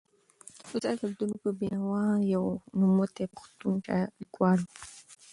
استاد عبدالروف بینوا یو نوموتی پښتون لیکوال و.